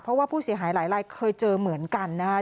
เพราะว่าผู้เสียหายหลายลายเคยเจอเหมือนกันนะครับ